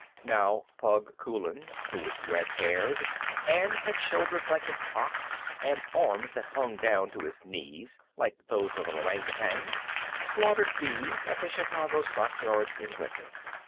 Now "Pug" Coulan, who was red haired, and had shoulders like an ox, and arms that hung down to his knees, like those of an orang outang, slaughtered beeves at the Chicago stockyards in winter.